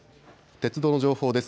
鉄道の情報です。